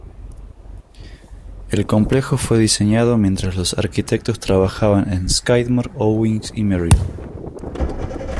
El complejo fue diseñado, mientras los arquitectos trabajaban en Skidmore, Owings y Merrill.